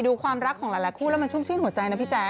ความรักของหลายคู่แล้วมันชุ่มชื่นหัวใจนะพี่แจ๊